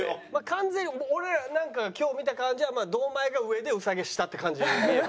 完全に俺らなんかが今日見た感じは堂前が上で兎は下って感じに見える。